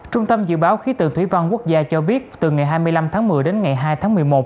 trung tâm dự báo khí tượng thủy văn quốc gia cho biết từ ngày hai mươi năm tháng một mươi đến ngày hai tháng một mươi một